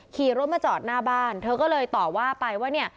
ขี่รถมาจอดหน้าบ้านเธอก็เลยต่อว่าไปว่าเนี่ย